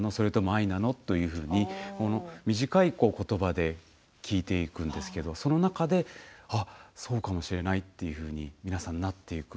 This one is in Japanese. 愛なの？というふうに短いことばで聞いていくんですけれどその中でそうかもしれないというふうに皆さんなっていく。